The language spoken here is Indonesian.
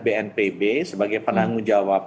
bnpb sebagai penanggung jawab